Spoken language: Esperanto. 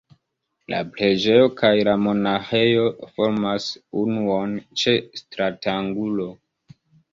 La preĝejo kaj la monaĥejo formas unuon ĉe stratangulo.